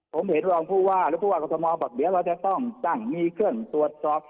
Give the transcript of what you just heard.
ผมเห็นรองผู้ว่าหรือผู้ว่ากรทมบอกเดี๋ยวเราจะต้องตั้งมีเครื่องตรวจสอบ